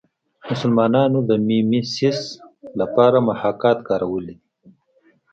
مسلمانانو د میمیسیس لپاره محاکات کارولی دی